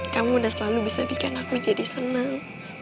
kamu udah selalu bisa bikin aku jadi senang